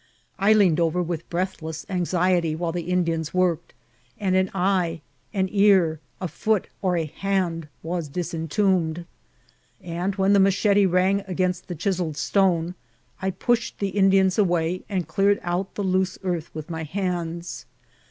I leaned over with breathless anxiety while the Indians worked, and an eye, an ear, a foot, or a hand was disentombed ; and when the machete rang against the chiselled stone, I pushed the Indians away, and cleared out the loose earth with my hands.